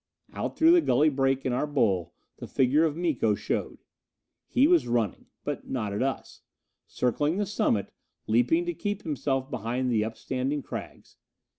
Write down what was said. Out through the gully break in our bowl the figure of Miko showed! He was running. But not at us. Circling the summit, leaping to keep himself behind the upstanding crags.